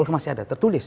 masih ada tertulis